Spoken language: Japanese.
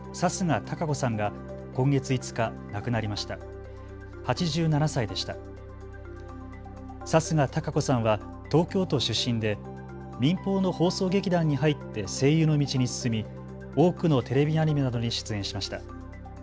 貴家堂子さんは東京都出身で民放の放送劇団に入って声優の道に進み、多くのテレビアニメなどに出演しました。